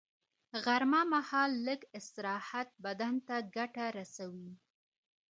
غرمه مهال لږ استراحت بدن ته ګټه رسوي